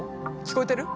聞こえてる？